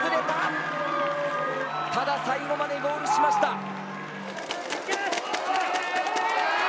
ただ、最後までゴールしました。